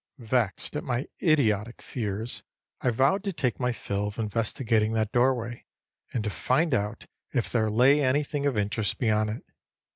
Vexed at my idiotic fears, I vowed to take my fill of investigating that doorway, and to find out if there lay anything of interest beyond it.